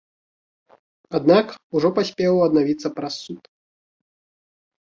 Аднак, ужо паспеў аднавіцца праз суд.